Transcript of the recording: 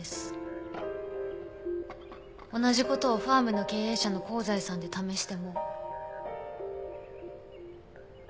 同じ事をファームの経営者の香西さんで試しても。